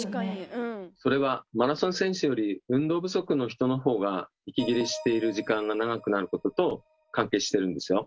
それはマラソン選手より運動不足の人のほうが息切れしている時間が長くなることと関係してるんですよ。